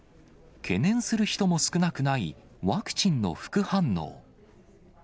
懸念する人も少なくないワクチンの副反応。